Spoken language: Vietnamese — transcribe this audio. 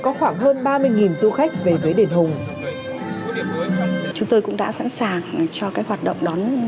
có khoảng hơn ba mươi du khách về với đền hùng chúng tôi cũng đã sẵn sàng cho cái hoạt động đón